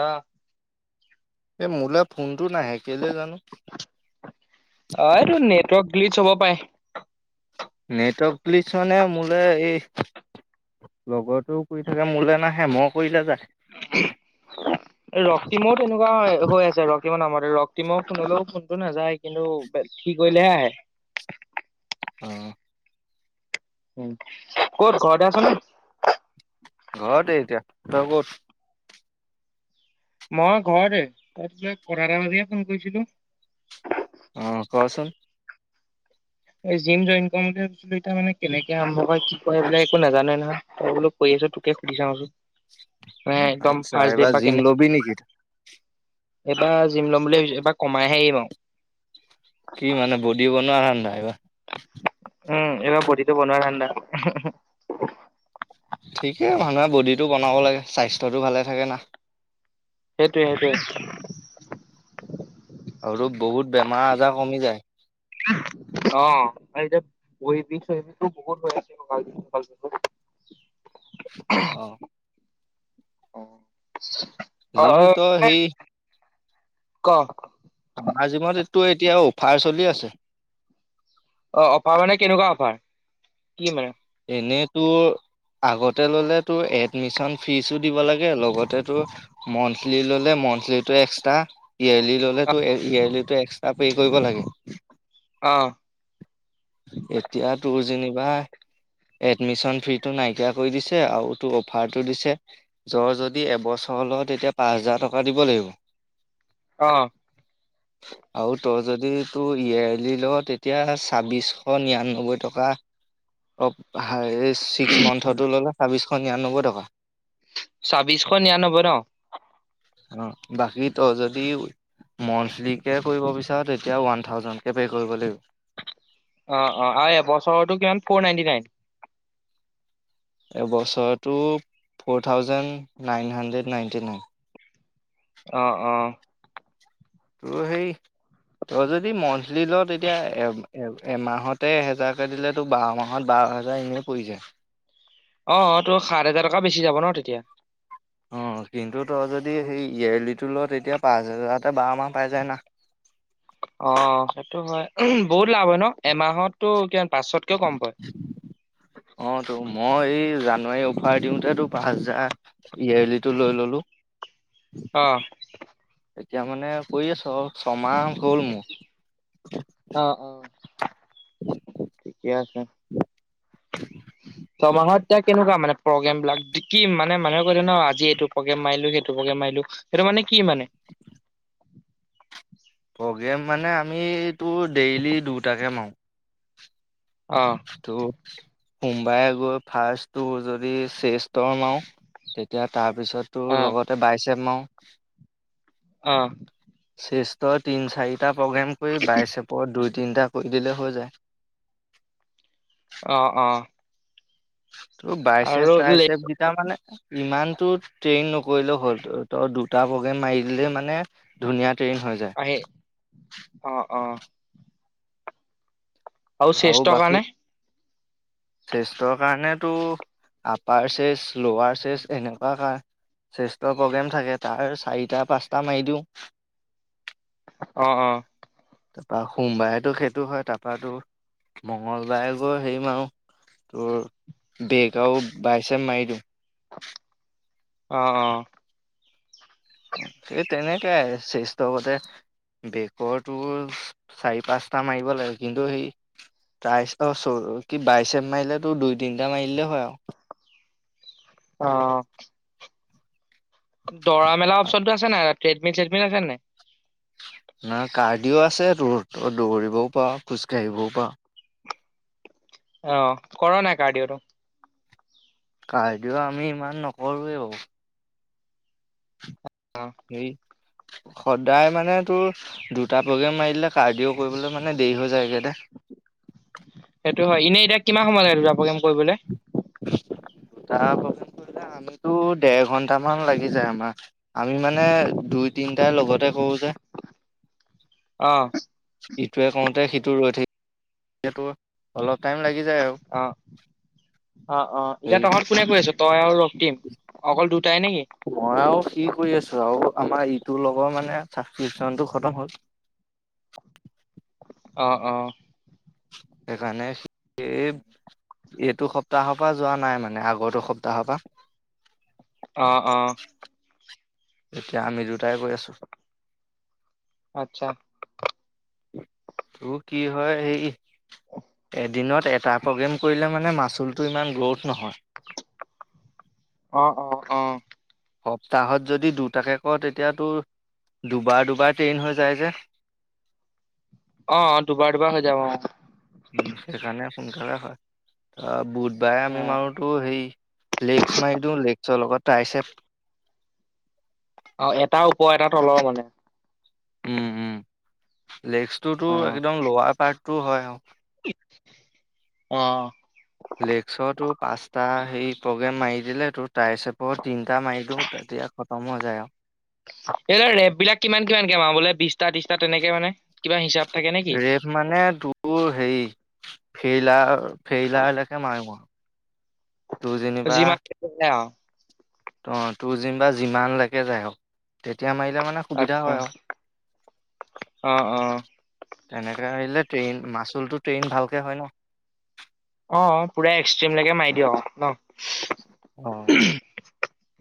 আহ। এ মোলৈ ফোনটো নাহে কেলে জানো। ফ্লিচ হ'ব পাই। নেটৱৰ্ক ফ্লিচ মানে মোলে এই লগতো কৰি থাকে মোলৈ নাহে, মই কৰিলে যায়। [inaudible] এ ৰক্তিমও তেনেকুৱা হৈ আছে ৰক্তিমৰ নামত, ৰক্তিমৰ ফোনলৈও ফোনটো নাযায় কিন্তু ক‌ কৰিলেহে আহে। অ। উম কত ঘৰতে আছ ন? ঘৰতে এতিয়া, তই ক'ত? মই ঘৰ দে, তই কিবা কথা এটা বুলিহে ফোন কৰিছিলো। অ কচোন জিম জইন কৰিম বুলি ভাবো এতিয়া মানে কেনেকে আৰম্ভ বা কি ক এইবিলাক একো নাজানো নহয়, তই বোলো কৈ পিছত তোকে সুধি চাওচোন, মানে একদম আচ্ছা ফাৰ্ষ্ট ডে এইবাৰ বা জিম কেনে লবি নেকি এইবাৰ জিম ল'ম বুলি ভাবিছো এবাৰ কমাইহে আহিম আৰু। কি মানে বডি বনোৱা হধাই এইবাৰ। উম এইবাৰ বদিটো বনোৱা ঠাণ্ডা, উহু উহু। ঠিকেই মানুহে বডিটো বনাব লাগে, স্বাস্থ্যটো ভালে থাকে না। সেইটোৱে সেইটোৱে। আৰু বহুত বেমাৰ আজাৰ কমি যায়। অ আৰু এতিয়া বহিব চহবিটো বহুত হৈছিল কালালো উ [inaudible] আহ। অ। জিম অ ত সেই ক? আমাৰ জিমত এইটো এতিয়া অফাৰ চলি আছে। অ অফাৰ মানে কেনেকুৱা অফাৰ, কি মানে? এনেই তোৰ আগতে ললে তোৰ এডমিশন ফিজো দিব লাগে, লগতে তোৰ মন্থলি ললে মন্থলিটো এক্সট্ৰা, ইয়েৰলি অ ললেটো ইয়েৰটো এক্সট্ৰা পে কৰিব লাগে। অ। এতিয়া তোৰ যেনিবা এডমিশ্যন ফ্ৰীটো নাইকিয়া কৰি দিছে আও টো অফাৰটো দিছে য যদি এবছৰ ত ল তেতিয়া পাঁচ হেজাৰ টকা দিব লাগিব অ আৰু তই যদি তোৰ ইয়োৰলি ল তেতিয়া ছাব্বিশ শ নিৰান্নবৈ টকা অহ ছিক্স মান্থতো ল'লে ছাবিশ শ নিৰানব্বৈ টকা চাবিছখ নিয়ানবৈ ন অ বাকী তই যদি মন্থলিকে কৰিব বিচাৰ তেতিয়া ওৱান থাউজেণ্ডকে পে' কৰিব লাগিব অ অ আৰু এবছৰটো কিমান ফৰ নাইনটি নাইন এই বছৰটো four thousand nine hundred ninety nine অ অ তোৰ সেই তই যদি মন্থলি ল তেতিয়া এ এ এমাহতে এহেজাৰকে দিলে তোৰ বাৰ মাহত বাৰ বাৰহাজাৰ এনেই পৰি যায় অহ তোৰ সাত হেজাৰ টকা বেছি যাব ন তেতিয়া অ কিন্তু তই যদি সেই ইয়েলিটো লও তেতিয়া পাঁচ হেজাৰতে বাৰ মাহ পাই যায় না। [inaudible] অ সেইটো হয়, ওমহ বহুত লাভ হয় ন এমাহততো এতিয়া পাঁচতকেও কম পায় [inaudible] অ তো মই এই জানুৱাৰী অফাৰ দিওঁতে পাঁচ হাজাৰ ইয়েৰ লিটো লৈ ললো অহ এতিয়া মানে কৰি আছো আৰু ছমাহ হ'ল অ মোৰ। অ ঠিকে আছে। ছমাহত এতিয়া কেনেকোৱা মানে প্ৰগেম বিলাক কি মানে মানুহে কৰে ন আজি এইটো প্ৰগেম মাৰিলোঁ সেইটো প্ৰগেম মাইলো সেইটো মানে কি মানে? প্ৰগ্ৰেম মানে আমিটো ডেইলি দুটাকে মাৰো অ ত সোম্বাই গৈ ফাৰ্ষ্টটো যদি চেষ্টৰ মাও তেতিয়া তাৰ তাৰপিছত তোৰ অ লগতে বাইচেপ মাও অ শ্ৰেষ্ঠৰ তিন চাৰিটা প্ৰগ্ৰেম কৰি বাইছেপৰ দুই তিনিটা কৰি দিলে হৈ যায় অহ অহ তোৰ বাইচেপ টাইচেপ কেইটা মানে ইমান টো ট্ৰেইন নকৰিলে হল ত দুটা প্ৰগ্ৰেম মাৰি দিলে মানে ধুনীয়া ট্ৰেইন হৈ যায় আহে অ অ আৰু চেষ্টৰ কাৰনে চেষ্টৰ কাৰণেতো আপাৰ চেচ লোৱাৰ চেচ এনেকোৱা হয় শ্ৰেষ্ঠ প্ৰগ্ৰেম থাকে তাৰ চাৰিটা পাঁচটা মাৰি দিওঁ অ অ তাপা সোমবাৰেতো সেইটো হয়। তাপাতো মংগলবাৰে গৈ হেৰি মাৰু তোৰ বেক আৰু বাইচেপ মাৰি দিওঁ। অ অ। এই তেনেকে আৰু চেষ্টৰ গতে বেকৰটো চাৰি পাচটা মাৰিব লাগে কিন্তু সেই তাইশ অ চ কি বাইচেপ মাৰিলে তোৰ দুই তিনিটা মাৰিদিলে হয় আও অ। দৌৰা মেলা অ'পচনতটো আছে নাই? ট্ৰেডমিল চেডমিল আছে নে নাই? নাহ কাৰ্ডিঅ' আছে তোৰ। তই দৌৰিবও পাৰ' খোজ কাঢ়িবও পাৰ'। অঁ কৰ' নাই কাৰ্ডিঅ' তো? কাৰ্ডিঅ' আমি ইমান নকৰোৱেই বাৰু। হেৰি [inaudible] সদায় মানে তোৰ দুটা প্ৰগ্ৰেম মাৰি দিলে কাৰ্ডিঅ' কৰিবলৈ মানে দেৰি হৈ যায়গৈ দে। সেইটো হয়। এনেই এতিয়া কিমান সময় লাগে দুটা প্ৰগ্ৰেম। কৰিবলৈ দুটা প্ৰগ্ৰেম কৰিলে আমিতো দেৰ ঘন্টা মান লাগি যায় আমাৰ। আমি মানে দুই তিনিটাই লগতে কৰো যে। [inaudible] অ', ইটোৱে কৰোতে সিটো ৰৈ থাকে তো অলপ। লাগি যায় আৰু অঁ অঁ অঁ। এতিয়া হেৰি তহঁত কোনে কৰি আছ' তই আৰু ৰক্ তিম, অকল দোত মই আৰু সি কৰি আছো আৰু আমাৰ ইটো লগৰৰ মানে ছাব্ছক্ৰিপচনটো খতম হ'ল। অঁ অঁ। সেইকাৰণে সি এইটো সপ্তাহৰ পৰা যোৱা নাই মানে আগৰতো সপ্তাহৰ পৰা। অঁ অঁ। এতিয়া আমি দুটাই কৰি আছোঁ। আত্ছা। তোৰ কি হয় এই এদিনত এটা প্ৰগ্ৰেম কৰিলে মানে মাচলটো ইমান গ্ৰ'থ নহয়। অঁ অঁ অঁ। সপ্তাহত যদি দুটাকে কৰ' তেতিয়া তোৰ দুবাৰ দুবাৰ ট্ৰেইন হৈ যায় যে। অঁ দুবাৰ দুবাৰ হৈ যাব অঁ। উম, সেইকাৰণে সোনকালে হয়। তহ বুধবাৰে আমি অ', মাৰো তোৰ হেৰি লেগছ মাৰি দিওঁ, লেগছৰ লগত ট্ৰাইছেপ। অঁ এটা ওপৰৰ এটা তলৰ মানে? উম উম। লেগছটো তোৰ অ', একদম ল'ৱাৰ পাৰ্টটো হয় আৰু। অঁ। লেগছৰটো পাঁচটা সেই প্ৰগ্ৰেম মাৰি দিলে তোৰ ট্ৰাইছেপৰ তিনিটা মাৰি দিওঁ তা তে খতম হৈ যায় আৰু। এতিয়া তই ৰেপ বিলাক কিমান কিমানকে মাৰ' বোলে বিশটা ত্ৰিশটা তেনেকে মানে? কিবা হিচাপ থাকে নেকি? ৰেপ মানে তোৰ হেৰি ফেইলাৰ ফেইলাৰলৈকে মাৰো মই, তোৰ যেনিবা যিমান তোৰ যেনিবা যিমান লৈকে যায় আৰু। তে এতিয়া মাৰিলে মানে সুবিধা আচ্ছা হয় আৰু। অ অ তেনেকৈ মাৰিলে ট্ৰেইন মাচুলটো ট্ৰেইন ভালকে হয় ন। অঁ পুৰা এক্সট্ৰিম লৈকে মাৰি দিয়' আৰু। ন? আহ।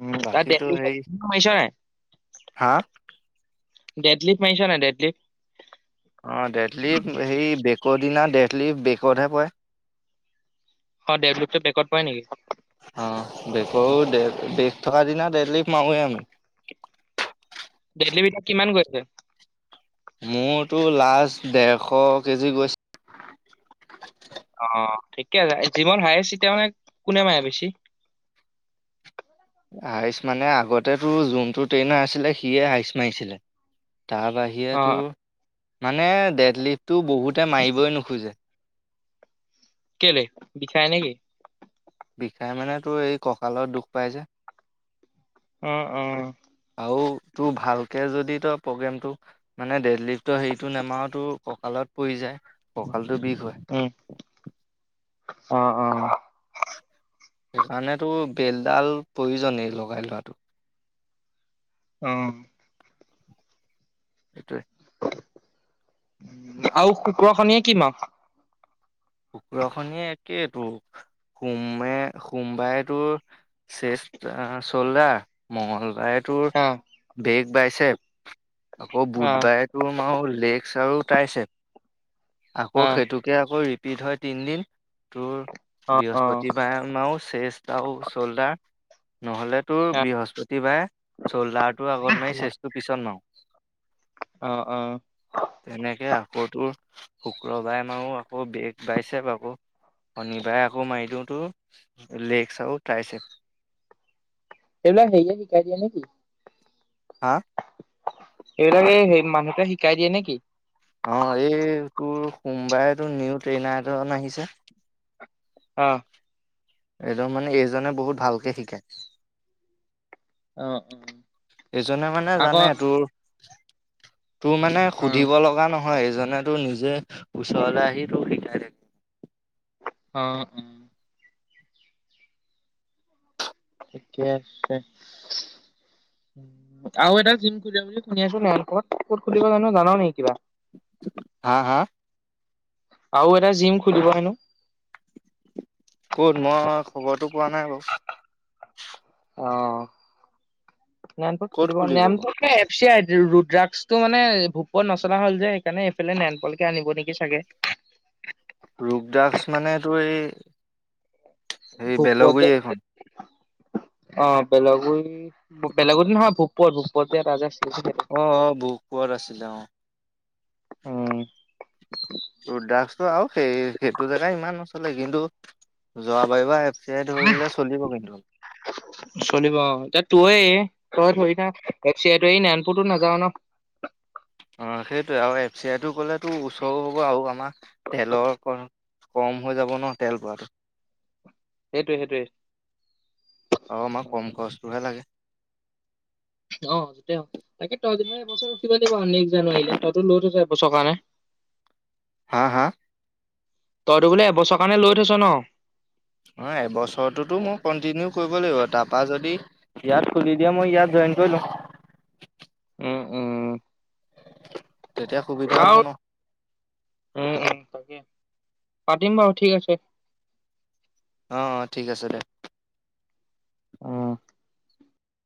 উম তাতছ [unintelligible] ন হা? ডেডলিপ মিছে নে ডেডলিপ ক'দিনা দেডলিফ বেক'তহে পৰে অ ডেদলিপ পেকড পৰে নেকি? অ বেকৌ বিষ থকা দিনা দেৰলিফ মাৰোৱেই আমি তেলিবটাক কিমান কৰিৈছে মোৰতো লাষ্ট ডৰশ কেজি গৈছে। অ ঠিকে আছে যিমান হাই আতিয়া মানে কোনে মায়ে বেছি। আইচ মানে আগতেতো জোনটো ট্ৰেইনাৰ আছিলে সিয়ে আইচ মাৰিছিলে। তাৰ অ বাহিৰে তোৰ মানে ডেট লিভটো বহুতে মাৰিবই নোখোজে কেলে বিছাই নেকি? বিষাই মানে তো এই কঁকালত দুখ পাই যে উম উম। আৰু তোৰ ভালকৈ যদি তই প্ৰগ্ৰেমটো মানে ডেটলি তই হেৰিটো নমাও তোৰ কঁকালত পৰি যায় কঁকাল টো বিষ হয় উম অ অ। সেইকাৰণেতো বেলডাল প্ৰয়োজনই লগাই লোৱাটো। অ সেইটোৱে আৰু কুক্ৰখনীয়ে কি ম, কুকৰাখনিয়ে একেটো। সোমে সোমবাই তোৰ চেষ্ট চল্ডাৰ, মঙ্গলদ। বায় তোৰ অ বেগ বাইছে আকৌ অ বুধবাৰে তোৰ মাৰ লেগ টাইছে আকৌ অ সেইটোকে আকৌ ৰিপিট হয় তিনদিন তোৰ অ অ বৃহস্পতিবাৰে আমও। শেষটাও চললা নহ'লে তোৰ বৃহস্পতিবাৰে চল্ডাৰটোৰ আগত মাৰি চেচটোৰ পিছত মাৰো। আহ অ, শুকুৰটো শুক্ৰবাৰে মাৰো আকৌ বেগ বাইছে আকৌ। শনিবাৰে আকৌ মাৰি দিওঁতো লেইছ আৰু টাইছে। এইবল সেই দ কাই দয়া নেকি? হা এইবিলাকে সেই মানুহটে শিকাই দিয়ে নেকি? অ এই তোৰ সোমবাৰেতটো নিউ ট্ৰেইন এ আহিছে অ এইটো মানে এইজনে বহুত ভালকে শিকে। অ', অ', এইজনে মানে আকৌ জানে অ', তোৰ তোৰ মানে অ', সুধিব লগা ন- হয় এজনে তো নিজে ওচৰলে আহি তোক শিকাই থাকে। অ উম থিকে আছে। আৰু এটা জিম খিব বুলি শুনি আছো ন ক'ত ক'ত খুলিব জানো জানা নে কিবা। হা হা আৰু এটা জিম খুলিব হেনো কত মই খবৰটো পোৱা নাই বাৰু অ নত ক'ত খুলিব বাৰু নমটো ৰৰুদ্ৰাকটো, মানে ভূপত, নচলা হল যে সেইকাৰণে এইফালে নেনপলকে আনিব নেকি চাগে। উ ৰোগ দ্ৰাস্ষ, মানে তোৰ এই হে ভূপত বেলগুৰি যে এখন। অ বেলগুৰি, বেলগত নহয় ভূপত ভূপত যে এটা আছিলে। সেইটো অ আহ বপুৱাত আছিলে উম। ৰুদ্ৰাক্সটো আৰু সেই সেইটো জেগা ইমান নচলে কিন্তু। যোৱাবাৰিব এফ চি ধৰিলে চলিব কিন্তু। চলিব এতিয়া তয়ে তই ধৰি এ চ নয়নপুৰতো নাযাও ন [unintelligible] অ সেইটয়ে আৰু এফ চি আইটো কলেতো ওচৰো হ'ব আৰু আমাৰ তেলৰ- কম হৈ যাব ন তেল ভৰাটো সেইটোৱে অ আমাক কম সেইটোৱে। খৰচটোহে লাগে। অ তেওঁ। তাকে তই দেখোন এবছৰ ৰখিবই লাগিব আৰু নেক্সট জানুৱাৰীলে, তইতো লৈ থৈছ এবছৰ কাৰণে। [inaudible] হা? হা? তইতো বোলে এবছৰ কাৰণে লৈ থৈছ ন। অ, এবছৰটোতো মই কন্টিনিউ কৰিব লাগিব। তাৰপা যদি ইয়াত খুলি দিয়ে, মই ইয়াত জইন কৰি লম। উম, উম। তেতিয়া সুবিধা হ'ব বাৰু ন? উম উম তাকে পাতিম বাৰু ঠিক আছে। অ, অ। ঠিক আছে দে। অঁ।